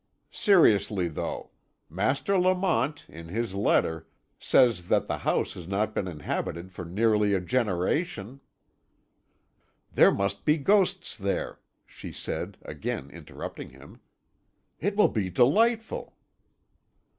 "Seriously, though. Master Lamont, in his letter, says that the house has not been inhabited for nearly a generation " "There must be ghosts there," she said, again interrupting him. "It will be delightful."